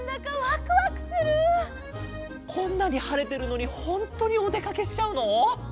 こんなにはれてるのにホントにおでかけしちゃうの？